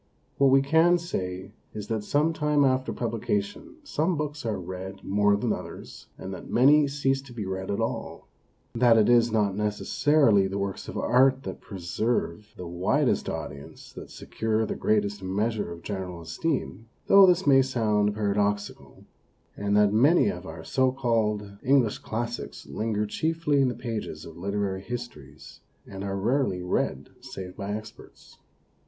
What we can say is that some time after publication some books are read more than others and that many cease to be read at all ; that it is not necessarily, the works of art that preserve the widest audience that secure the greatest measure of general esteem, though this may sound para doxical ; and that many of our so called English classics linger chiefly in the pages of literary histories, and are rarely read save by experts.